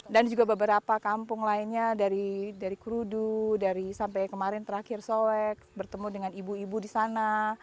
dan juga beberapa kampung lainnya dari kurudu dari sampai kemarin terakhir soek bertemu dengan ibu ibu di sana